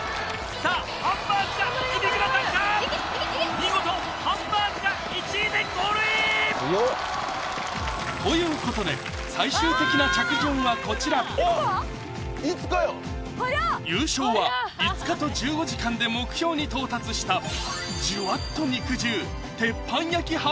見事ハンバーグが１位でゴールイン！ということで最終的な着順はこちら優勝は５日と１５時間で目標に到達したうわ